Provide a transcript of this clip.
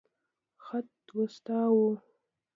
خط واستاوه.